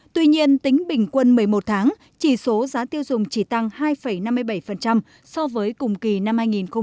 tuy nhiên tính bình quân một mươi một tháng chỉ số giá tiêu dùng chỉ tăng hai năm mươi bảy so với cùng kỳ năm hai nghìn một mươi tám